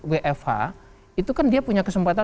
wfh itu kan dia punya kesempatan